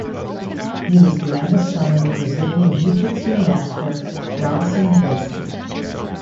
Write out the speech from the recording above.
He was the youngest son of the Brazilian Jiu-Jitsu Master Robson Gracie.